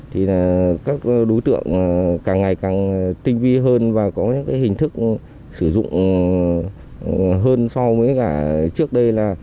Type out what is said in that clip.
thì các đối tượng càng ngày càng tinh vi hơn và có những cái hình thức sử dụng hơn so với cả trước đây là